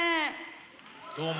どうも。